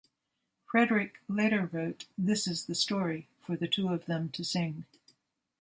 Frederick later wrote "This Is the Story" for the two of them to sing.